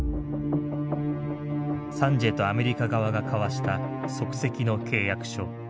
サンジエとアメリカ側が交わした即席の契約書。